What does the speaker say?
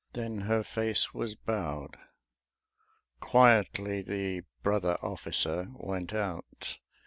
Then her face was bowed. Quietly the Brother Officer went out.